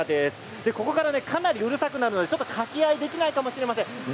ここからかなりうるさくなるので掛け合いができないかもしれません。